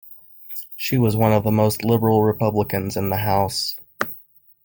She was one of the most liberal Republicans in the House.